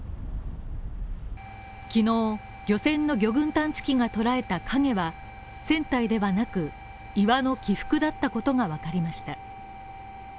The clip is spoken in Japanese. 昨日、漁船の魚群探知機が捉えた影は船体ではなく、岩の起伏だったことが分かりました。